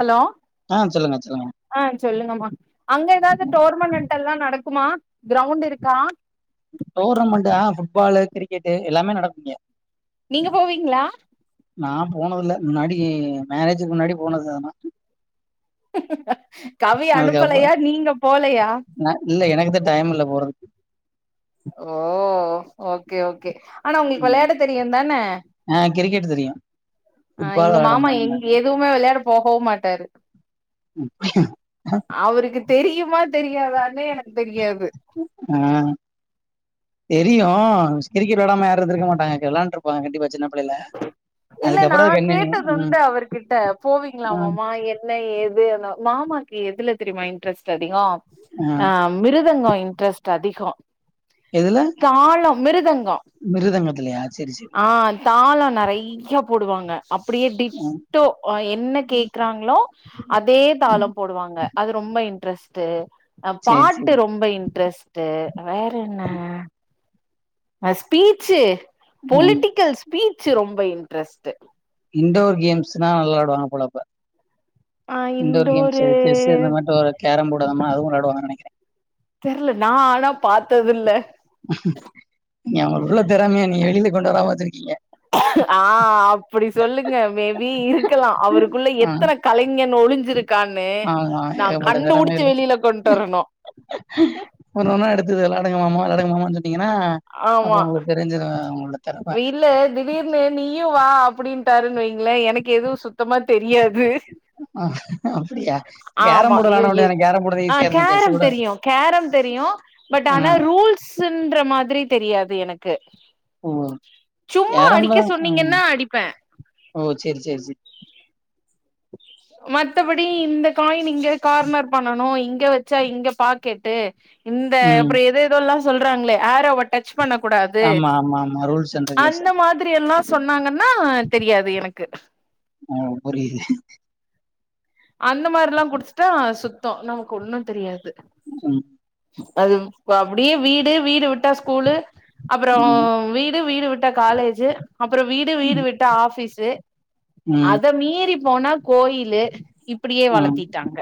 hello ஆ சொல்லுங்க சொல்லுங்க ஆ சொல்லுங்கம்மா அங்க ஏதாவது டோர்னமெண்டட் எல்லா நடக்குமா கிரௌண்ட் இருக்கா டோர்னமெண்ட்டா ஃபுட்பாலு கிரிக்கெட்டு எல்லாமே நடக்குங்க நீங்க போவீங்களா நா போனதுல்ல முன்னாடி மேரஜ்ஜுக்கு முன்னாடி போனதானா கவி அதுக்கப்புற அனுப்பலையா நீங்க போலையா நா இல்ல எனக்குதா டைம் இல்ல போறதுக்கு ஓ ஓகே ஓகே ஆனா உங்களுக்கு ம் விளையாட தெரியுந்தானே ஆ கிரிக்கெட் தெரியு ஆ ஃபுட்பால் இங்க வெளாட மாமா எங்க மாட்டாங்க எதுவுமே விளையாட போகவும் மாட்டாரு [inaudible] அவருக்கு தெரியுமா தெரியாதானே எனக்கு தெரியாது ஆ தெரியு கிரிக்கெட் விளையடமா யாரு இருந்துருக்க மாட்டாங்க வெளாம்ட்ருப்பாங்க கண்டிப்பா சின்ன பிள்ளைல இல்ல நா அதுக்கப்புற அது கண்டினியூ ம் கேட்டதுண்டு அவர்கிட்ட ஆ போவீங்களாமமா என்ன ஏது மாமாக்கு எதுல தெரியுமா இன்ட்ரெஸ்ட் அதிக ஆ மிருதங்க இன்ட்ரெஸ்ட் அதிக எதுல கால மிருதங்கொ மிருத்தங்கத்துலய சரி சரி ஆ தாள நெறைய போடுவாங்க அப்படியே ம் டிட்டோ ஓ என்ன கேக்குறாங்களோ அதே ம் தாளம் போடுவாங்க அது ரொம்ப இன்ட்ரெஸ்ட்டு சேரி பாட்டு சேரி ரொம்ப இன்ட்ரெஸ்ட்டு வேற என்ன ஆ ஸ்பீச்சு ம் பொலிட்டிக்கல் ஸ்பீச்சு ரொம்ப இன்ட்ரெஸ்ட்டு இன்ண்டோர் கேம்ஸ்ன்னா நல்லாடுவாங்க போலப்ப ஆ இன்டோர் இன்டோரு கேம்ஸ்சு செஸ்சு இந்த மாரி ஒரு கேரம்போர்டு அ மாரி அதுவு விளையடுவாங்கன்னு நெனைக்கிறே தெர்ல நா ஆனா பாத்ததில்ல நீ அவ்ளோ திறமையா நீ வெளியில கொண்டு வராம வச்சுருக்கீங்க ஆ அப்டி சொல்லுங்க மேபி இருக்கலா அவருக்குள்ள ஆ எத்தனை கலைஞன் ஒழிஞ்சிருக் கானு ஆமா நா கண்டுபடிச்சு வெளியில கொண்ட்டு வரணு ஒன்னா ஒன்னா எடுத்தது விளையாடுங்க மாமா விளையாடுங்க மாமான்னு சொன்னீங்கன்னா அப்ப ஆமா உங்களுக்கு தெரிஞ்சதுன் அவங்களோட தெறம இல்ல திடீர்னு நீயு வா அப்படின்ட்டாருன்னு வைங்களே எனக்கு எதுவு சுத்தமா தெரியாது அப்டியா கேரம் ஆமா போர்டு ஐயோ விளையாட எ வேண்டியதானே கேரம் போர்டு ஆ ஈஸியா இருக்கு செஸ் கேரம் கூட தெரியு கேரம் தெரியு பட் ஆனா ம் ரூல்ஸ்ன்ற மாதிரி தெரியாது எனக்கு ஓ சும்மா கேரம்ல அடிக்க ம் சொன்னிங்கன்னா அடிப்பே ஓ சேர் சேர் சேர் மத்தபடி இந்த காயின் இங்க கார்னர் பண்ணனு இங்க வச்சா இங்க பாக்கெட்டு இந்த ம் அப்ற ஏதேதோல்லா சொல்றாங்ளே ஏரோவ டச் பண்ணக்கூடாது ஆமா ஆமா ஆமா ரூல்ஸ் அண்ட் அந்த ரெகுலேஷன் மாதி ரி எல்லா சொன்னாங்கன்னா தெரியாது எனக்கு ஓ புரியுது அந்த மாரில்லா குடுத்துட்டா சுத்த நமக்கு ஒன்னு தெரியாது ம் அது அப்படியே வீடு வீடு விட்டா ஸ்கூலு அப்புற ம் வீடு வீடு விட்டா காலேஜு அப்புற வீடு வீடு விட்டா ஆஃபீஸு ம் அத மீறி போனா கோயிலு இப்பிடியே ம் வளத்திட்டாங்க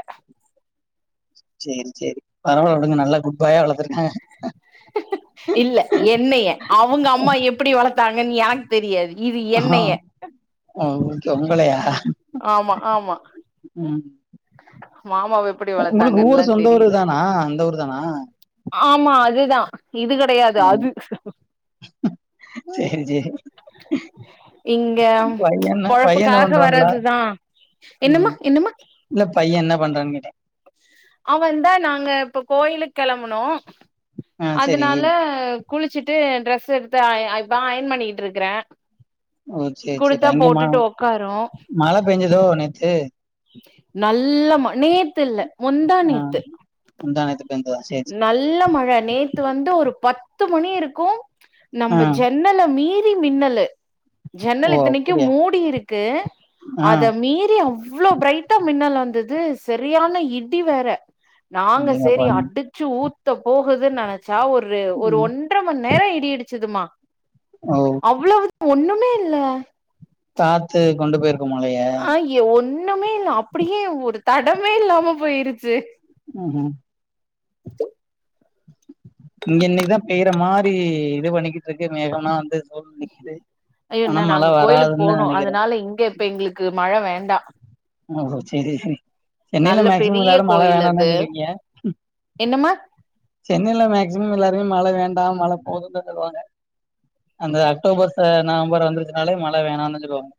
சேரி சேரி பரவால விடுங்க நல்ல குட் பாயா வளத்துருக்காங்க [inaudible] இல்ல என்னைய அவங்க அம்மா எப்படி வளத்தாங்கன் எனக்கு தெரியாது இது என்னைய ஓ ஒங்களையா ஆமா ஆமா மாமாவ எப்டி உங்களுக்கு ஊரு வளத்தாங்கன்னுலா சொந்த ஊர் தெரில இதானா இந்த ஊர் தானா ஆமா அதுதா இது கெடையாது ம் அது சரி சரி இங்க பையன் என்ன பையன் என்ன பொழப்புக்காக பண்றாப்ல வரது தா என்னமா ம் என்னமா இல்ல பைய என்ன பண்றான் கேட்ட அவன்ந்தா நாங்க இப்ப கோயிலுக் கெளம்புனோ ஆ சரி அதனால குளிச்சிட்டு டிரஸ் எடுத்து அ அ இப்ப அயன் பண்ணிட்டு இருக்கறே ஓ குடுத்தா போட்டுட்டு உக்காரு மழ பேஞ்சுதோ நேத்து நல்ல ம நேத்து இல்ல முந்தா ஆ நேத்து முந்தா நேத்து பேஞ்சுதா சேர் சேர் நல்ல மழை நேத்து வந்து ஒரு பத்து மணி இருக்கு ஆ நம்ப ஜ ன்னல மீறி மின்னலு ஓ ஜன்னல் இத்தனைக்கு அப்படியா மூடி இருக்கு ஆ அத மீறி அவ்வளோ பிரைட் டா மின்னல் வந்தது சரியான இடி வேற நாங்க அடேங்கப்பா செரி அடு ச்சு ஊத்த போகுதுன் நெனைச்சா ஒரு ஒரு ம் ஒன்ற மண் நேர இடி இடிச்சுதுமா ஓ அவ்வளவுதா ஒண்ணுமே இல்ல காத்து கொண்டு போயிருக்கு மழைய ஆ ஒண்ணுமே இல்ல அப்படியே ஒரு தடமே இல்லாம போயிருச்சு ம் ஹு இங்க இன்னைக்குதா பெய்ற மாரி இது பண்ணிகிட்ருக்கு மேகல்லா வந்து சூழ்ந்து நிக்குது அயோ ஆனா இன்ன மழை நாங்க கோயிலுக்கு வராதுன்னு போனு நினைக்கிறேன் அதனால இங்க இப்ப எங்களுக்கு மழ வேண்டா ஓ செரி சென்னைல நல்ல மேக்சிமம் பெரிய எல்லாரு மழ கோயில் வேணானுதா அது சொல்லுவிங்க என்னமா சென்னைல மேக்சிமம் எல்லாருமே மழ வேண்டா மழ போதுன்தா சொல்லுவாங்க அந்த அக்டோபர்ஸ் நவம்பர் வந்துருச்சனாலே மழ வேணான்தா சொல்லுவாங்க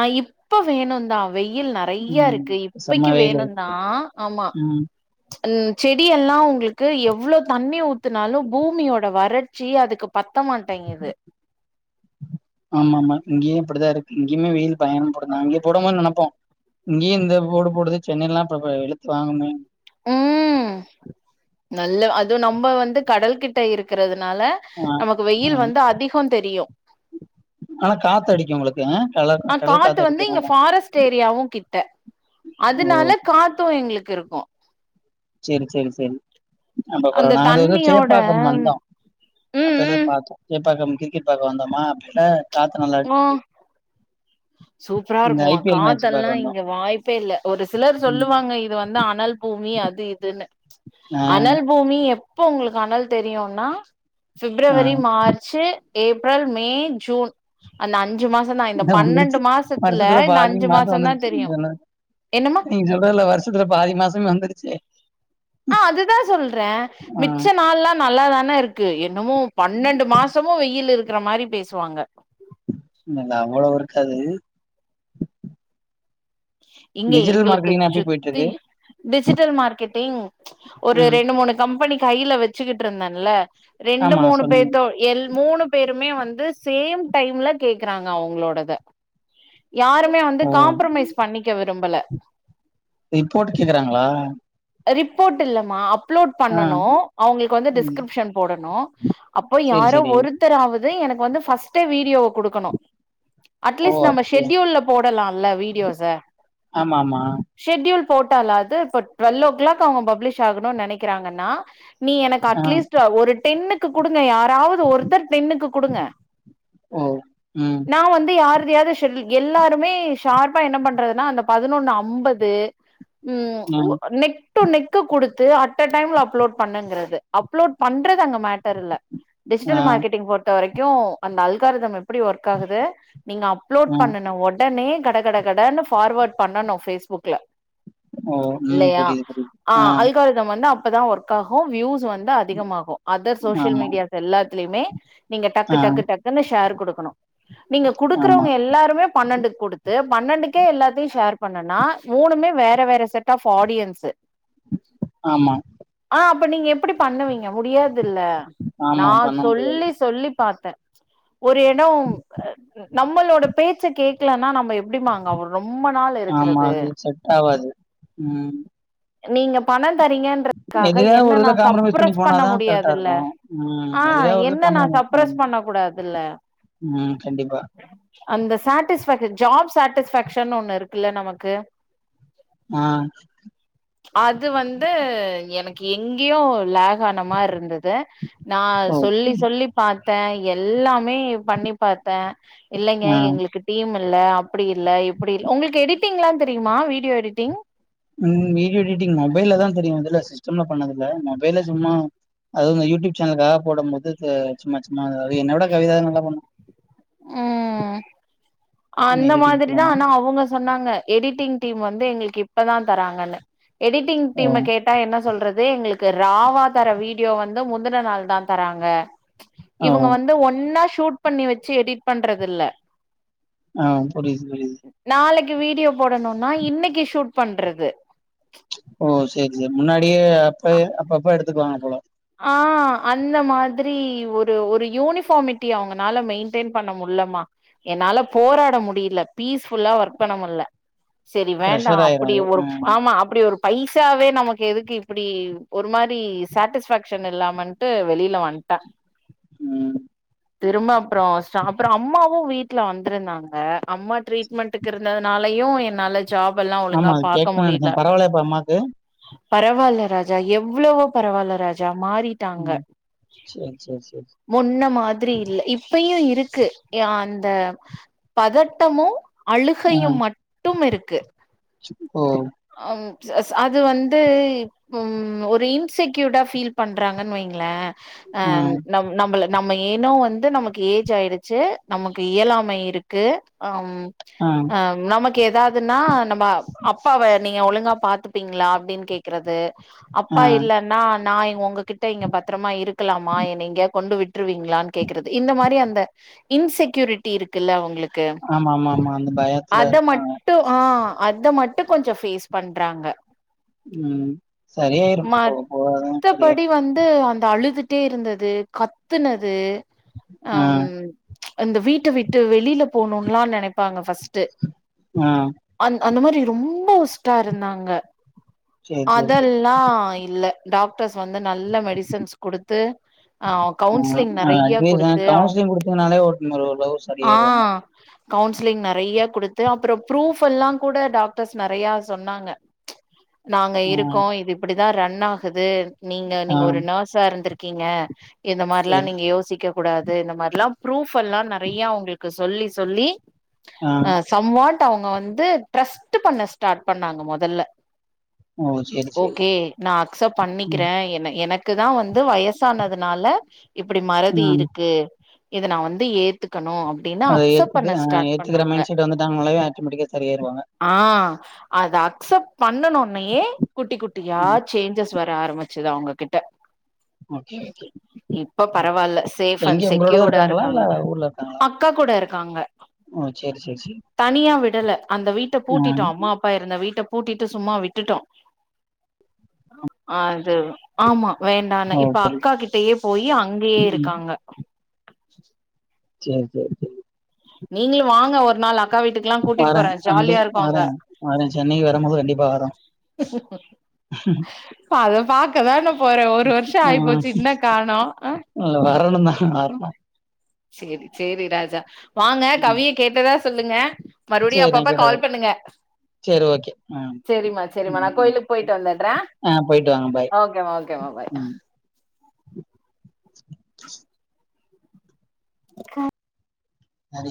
ஆ இப்ப வேணுந்தா வெய்யில் நெ றையா ம் இருக்கு செம்ம இப்பைக்கு வெயிலு வேணுந்தா ஆமா ம் ம் செடி எல்லா ஒங்களுக்கு எவ்ளோ தண்ணி ஊத்துனாலு பூமியோட வறட்சி அதுக்கு பத்தமாட்டைங்கிது ஆமா ஆமா இங்யு இப்டிதா இருக்கு இங்கேயுமே வெயில் பயன்படுந்தா அங்க போடும் போது நெனப்போ இங்யு இந்த போடு போடுது சொன்னேலா அப்ப வெளுத்து வாங்குனேனு ம் நல்ல அது நம்ம வந்து கடல் கிட்ட இருக்கிறதுனால ஆ நமக்கு ஆ வெயில் வந்து அதிகோ தெரியு ஆனா காத்தடிக்கு ஒங்ளுக்கு என்னா கலர் அ காத்து வந்து இங்க ஃபாரஸ்ட் ஏரியாவு கிட்ட ஓ அதுனால காத்து எங்ளுக்கு இருக்கு செரி செரி செரி அது அப்றோ அந்த நா அது இது தண்ணியோட சேப்பாக்கம் வந்தோ அப்ப ம் எல்லாரு ம் பாத்தோ சேப்பாக்கம் கிரிக்கெட் பாக்க வந்தமா அப்பெல நா சூப்ரா இந்த ஐ இருக்குமா பி எல் மேட்ச் பாக்க காத்தெல்லா வந்தோ இங்க வாய்ப்பே ஒரு சிலர் ம் சொல்லுவாங்க இது வந்து அனல் பூமி அது இதுனு ஆ அனல் பூமி எப்ப ஒங்களுக்கு அனல் தெரியுனா ஆ February March April May June அந்த அஞ்சு மாசம் தா இந்த இது பன்னெண்டு வந்துருச்சி மாசத்துல வர்ஷத்துல இந்த பாதி அஞ்சு மாச மாசம் தா வந்துருச்சினு தெரியு சொல்லு என்னமா நீ சொல்றல வர்ஷத்துல பாதி மாசம் வந்துருச்சி நா அதுதா சொல்றே மிச்ச நாள்லா நல்லா தானே இருக்கு என்னமோபன்னெண்டு மாசமு வெயில் இருக்கிற மாரி பேசுவாங்க இல்ல அவ்ளவு இருக்காது இங்க டிஜிட்டல் எங்களுக்கு மார்க்கெட்டிங் எப்டி போயிட்டு சுத்தி இருக்கு டிஜிட்டல் மார்கெட்டிங் ஒரு ம் ரெண்டு மூணு கம்பெனி கைல வெச்சுகிட்ருந்தேல ரெண்டு ஆமா மூணு சொன்னீங்க பேத்தோ எல் மூணு பேருமே வந்து சேம் டைம்ல கேக்குறாங்க அவங்களோடத யாருமே வந்து ஓ காம்ப்ரமைஸ் பண்ணிக்க விரும்பல ரிப்போர்ட்டு கேக்குறாங்களா ரிப்போர்ட்டு இல்லமா அப்லோட் ஆ பண்ணனு அவுங்ளுக்கு வந்து ம் டிஸ்கிரிப்ஷன் போடணு அப்போ சேரி யாரோ சேரி ஒருத்தராவது எனக்கு வந்து பர்ஸ்ட் டு வீடியோ குடுக்கணு ஓ அட்லீஸ்ட் நம்ம அப்டியா ஷெட்யூல்ல போடலால வீடியோஸ் ஆமா ஆமா ஷெட்யூல் போட்டாலாது இப்ப டுவெல் ஓ கிளாக் அவங்க பப்ளிஷ் ஆகணுனு நெனக்கிறாங்கன்னா நீ எனக்கு ஆ அட்லீஸ்ட் ஒரு டென்னு க்கு குடுங்க யாராவது ஒருத்தர் டென்னுக்கு குடுங்க ஓ ம் நா வந்து யார்துயாது செல்லு எல்லாருமே ஷார்ப் பா என்ன பண்றதுனா அந்த பதனொன்னு அம்பது ம் உ நெட் டு நெக்கு குடுத்து அட்ட டைம்ல அப்லோட் பண்ணுங்கிறது அப்லோட் பண்றது அங்க மேட்டர் இல்ல ஆ டிஜிட்டல் மார்க்கெட்டிங் பொறுத்த வரைக்கு அந்த அல்காரதம் எப்டி ஒர்க் ஆகுது நீங்க அப் லோட் ஆ பண்ணனு ஒடனே கட கட கடன்னு ஃபார்வர்ட் பண்ணனு ஃபேஸ்புக்ல ஓ ம் இல்லயா புரியுது புரியுது அ ஆ அல்காரதம் வந்து அப்பதா ஒர்க் ஆகு வியூஸ் வந் து அதிகமாகு அதர் சோசியல் ஆமா மீடியாஸ் எல்லாதில்மே நீங்க டக்கு ஆ டக்கு டக் குனு ஷேர் குடுக்கனு நீங்க ஆமா குடுக்குறவங்க எல்லாருமே பன்னெண்டுக்கு குடுத் பன்னெண்டுக்கே எல்லாத்தியு ஷேர் பண்ணுனா மூணுமே வேற வேற செட் ஆஃப் ஆடியன்ஸு உ ஆமா ஆ, அப்ப நீங்க எப்படி பண்ணுவீங்க முடியாதுல்ல நா ஆமா பண்ண முடியாது சொல்லி சொல்லி பாத்த ஒரு எடம் அ நம்மளோட பேச்ச கேக்கலன்னா நம்ம எப்படிமா அங்க அவ் ரொம்ப நாள் ஆமா இருக்கிறது அது செட் ஆவாது ம் நீங்க பணம் தறீங்கன்றதுக்காக எதுலயா ஒரு என்ன நா இதுல காம்ப்ரமைஸ் பண்ணி சப்ரஸ் பண்ண போனாதா கரெக்டா முடியாதுல்ல இருக்கு ம் ஆ எதுலயா ஒரு இதுல என்ன நா காம்ப்ரமைஸ் சர்பரைஸ் பண்ணனு பண்ண கூடாதுல ம் கண்டிப்பா அந்த சேட்டிஸ்பெக் ஜாப் சேட்டிஸ்பெக்ஷன்னு ஒண்ணு இருக்குல்ல நமக்கு ஆ அது வந்து எனக்கு எங்கேயோ லேக்கானமாரி இருந்தது நா ஓகே சொல்லி சொல்லி பாத்தே எல்லாமே பண்ணி பாத்தே இல்லைங்க ஆ எங்களுக்கு டீம் இல்ல அப்படி இல்ல இப்படி இல்ல உங்களுக்கு எடிட்டிங்லா தெரியுமா வீடியோ எடிட்டிங் ம் வீடியோ எடிட்டிங் மொபைல்லதா தெரியு இதுல சிஸ்டம்ல பண்ணதில்ல மொபைல்ல சும்மா அதுவு இந்த யூடியூப் சேனலுக்காக போடம்போது இது சும்மா சும்மா எதாவது, என்னை விட கவிதா தா நல்லா பண்ணு ம் பண்ணு அந்த எடிட்டிங் மாதிரிதா போவு ஆனா அவங்க சொன்னாங்க எடிட்டிங் டீம் வந்து எங்களுக்கு இப்பதா தராங்கன்னு எடிட்டிங் ஓ டீம் கேட் டா என்ன சொல்றது எங்களுக்கு ராவா தர வீடியோ வந்து முந்தின நாள் தா தராங்க ஓ இவங்க வந்து ஒன்னா ஷூட் பண்ணி வச்சு எடிட் பண்றது இல்ல ஆ புரியுது புரியுது நாளைக்கு வீடியோ போடணும்னா இன்னைக்கி ஷூட் பண்றது ஓ சேரி சேரி முன்னாடியே அப்ப அப்பப்ப எடுத்துக்குவாங்க போல ஆ அந்த மாதிரி ஒரு ஒரு யூனிஃபார்மிட்டி அவங்கனால மெயின்டெயன் பண்ண முடிலமா என்னால போராட முடியல பீஸ்ஃபுல்லா ஒர்க் பண்ண முடில சேரி வேண்டா, ப்ரெஷர் ஆயிரு அப்படி அது ஒரு ம் ஆமா அப்படி ஒரு பைசாவே நமக்கு எதுக்கு இப்டி ஒரு மாதிரி சேடிஸ்பெக் க்ஷன் இல்லாமன்ட்டு வெளியில வந்ட்ட ம் திரும்ப அப்பறோ ஸ்டா அப்பறோ அம்மாவு வீட்ல வந்திருந்தாங்க அம்மா ட்ரீட்மெண்ட்க்கு இருந்ததுனாலையு என்னால ஜாப் எல்லா ஆமா ஒழுங்கா அது பாக்க கேட்கணுனு முடில நெனச்சே பரவாயில்லையாப்பா அம்மாக்கு பரவாயில்ல ராஜா எவ்வளவோ பரவாயில்ல ராஜா மாறி ம் சேரி சேரி சேரி முன்ன மாதிரி இல்ல இப்பயும் இருக்கு அ அந்த பதட்டமு அழுகையு மட்டும் இருக்கு சேரி ஓ அம் ச அது வந்து ம் ஒரு இன்செக்கியூர்டா ஃபீல் பண்றாங்கன்னு வைங்கள அ ஆ நம் நம்மள நம்ம ஏன்னோ வந்து நமக்கு ஏஜ் ஆயிடுச்சு நமக்கு இயலாமை இருக்கு ஆ, ம் ஆ ஆ நமக்கு ஏதாவதுன்னா நம்ம அப்பாவ நீங்க ஒழுங்கா பாத்துப்பீங்களா அப்டின்னு கேக்குறது ஆ அப்பா இல்ல நா நா உங்ககிட்ட இங்க பத்திரமா இருக்கலாமா என்ன எங்கயாவது கொண்டு விட்ருவீங்களான்னு கேக்குறது இந்த மாரி அந்த இன்செக்யூரிட்டி இருக்குல்ல உங்களுக்கு ஆமா ஆமா ஆமா அந்த பயத்துல அத மட் இருப்பாங்க டு ஆ அத மட்டு கொஞ்சோ ஃபேஸ் பண்றாங்க ம் சரியாயிரு போக போக அதெல்லா சரியாயிரு மத்தபடி வந்து அந்த அழுது டடே இருந்தது கத்துனது ஆ அந்த வீட்ட விட்டு வெளியில போணும்லா நினைப்பாங்க ஃபர்ஸ்ட் ஆ அந்த அந்த மாரி ரொம்ப ஒஸ்டா இருந்தாங்க சேர் சேர் அதல் சேர் ல இல்ல டாக்டர்ஸ் வந்து நல்ல மெடிசன்ஸ் கொடுத்து ஆ கவுன்சிலிங் ஆ நெறையா அட்வைஸ் ஆ கொடுத்து கவுன்சிலிங் குடுத்தீங்கனாலே ஒரு ஓரளவு ஆ சரியாயிருவாங்க கவுன்சிலிங் நெறையா கொடுத்து அப்புறம் ப்ரூப் எல்லாம் கூட டாக் டர்ஸ் நெறையா சொன்னாங்க நாங்க ஆ இருக்கோ இது இப்டிதான் ரன் ஆகுது நீங்க ஆ நீங்க ஒரு நெர்சா இருந்து இருக்கீங்க இந்த மாரிலா சேரி நீங்க யோசிக்க கூடாது இந்த மாரில்லாம் ப்ரூப் எல்லாம் நெறையா அவங்களுக்கு சொல்லி சொல்லி ஆ அ சம்வாட் அவங்க வந்து ட்ரஸ்ட்டு பண்ண ஸ்டார்ட் பண்ணாங்க மொதல்ல ஓ சேரி சேரி ஓகே நா அக்சப்ட் ம் பண்ணிக்கிறேன் என்ன எனக் க்கு தான் வந்து வயசானதுனால இப்டி மறதி ம் இருக்கு இத நா வந்து ஏத்துக்கணு அப் அத ஏத்துக்கஹ ஏத்துக்கிற மைண்ட் செட் வந்துட்டாங்கனாலே ஆட்டோமெட்டிக்கா சரியாயிருவாங்க ஆ அத அக்சப்ட் பண்ணனுனே குட்டி குட்டியா ம் சேஞ்சஸ் வர ஆரம்பிச்சது அவங்ககிட்ட ஓகே ஓகே இப்ப பரவால்ல சேஃப்பா அண் எங்க உங்களோடதா செக்யூர்டா இருக்காங்களா இல்ல இருக்காங்க அ க்கா கூட இருக்காங்க ஒ செரி செரி செரி தனியா விடல அந்த வீட்ட பூட்டிட்டோ அம்மா அப்பா இருந்த வீட்ட பூட்டிட்டு சும்மா விட்டுட்டோ ஆ செரி ஆமா வேண்டானு ஓ இப்ப புரியுது அக்கா கிட்டயே போயி அங்கயே ம் இருக்காங்க சேரி சேரி சேரி நீங்களு வாங்க ஒரு நாள் அக் அக்கா வீட்டுக்குல்லாம் கூட்டிட்டு வாரே போறேன் அண்டு ஜாலியா இருக்கும் வாரே அங்க [inaudible] வாரே சென்னைக்கு வரும்போது கண்டிப்பா வரே அத பாக்கதான போறேன் ஒரு வருஷம் ம் ஆயிப்போச்சு இன்ன காணோம் ஆ இல்ல வரணும் தான் வரணு சேரி சேரி ராஜா வாங்க ம் கவிய கேட்டதா சொல்லுங்க மறுவடியும் சேரி நா அப்பப்ப கேட்டது கால் பண்ணுங்க சேரி ஓகே ம் செரிமா செரிமா நா ம் கோயிலுக்கு ம் போயிட்டு வந்துட்றே ஆ போயிட்டு வாங்க பாய் ஓகேமா ஓகேமா பாய் ம் ஹ சரி